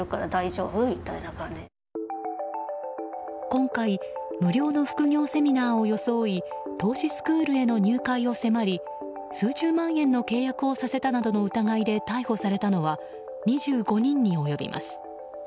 今回、無料の副業セミナーを装い数十万円の契約をさせたなどの疑いで逮捕されたのは２５人に及びます。